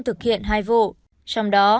thực hiện hai vụ trong đó